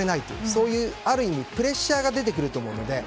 そういうある意味プレッシャーが出てくると思うので。